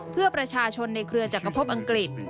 เพื่อประชาชนในเครือจักรพบอังกฤษ